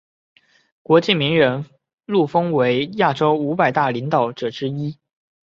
国际名人录封为亚洲五百大领导者之一。